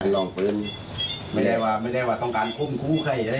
ลองปืนไม่ได้ว่าไม่ได้ว่าต้องการคุ้มใครอะไร